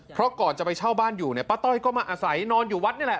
เพราะก่อนจะไปเช่าบ้านอยู่เนี่ยป้าต้อยก็มาอาศัยนอนอยู่วัดนี่แหละ